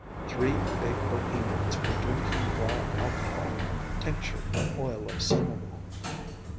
Three big Bohemians were drinking raw alcohol, tinctured with oil of cinnamon.